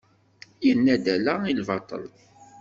Yenna-d ala i lbaṭel.